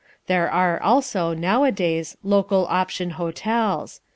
There are also, nowadays, Local Option Hotels.